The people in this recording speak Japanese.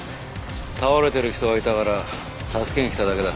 倒れてる人がいたから助けに来ただけだ。